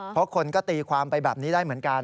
เพราะคนก็ตีความไปแบบนี้ได้เหมือนกัน